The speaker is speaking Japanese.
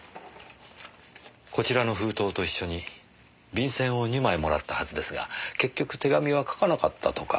こちらの封筒と一緒に便箋を２枚もらったはずですが結局手紙は書かなかったとか。